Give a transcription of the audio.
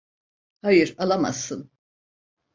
Hayır, alamazsın.